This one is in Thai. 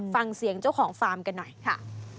ฟังเสียงเจ้าของฟาร์มกันหน่อยค่ะ